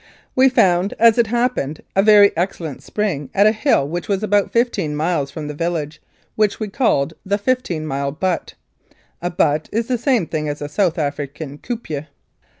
.We found, as it happened, a very excellent spring at a hill which was about fifteen miles from the village, which we called "the Fifteen mile Butte." (A u butte" is the same thing as a South African "kopje.")